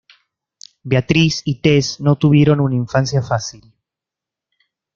Beatrice y Tess no tuvieron una infancia fácil.